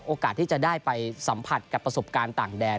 โอกาสที่จะได้ไปสัมผัสกับประสบการณ์ต่างแดน